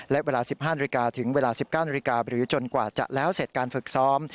และเวลา๑๕นาฬิกาถึงเวลา๑๙นาฬิกาหรือจนกว่าจะแล้วเสร็จการฝึกซ้อม